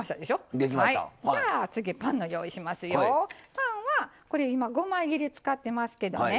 パンはこれ今５枚切り使ってますけどね。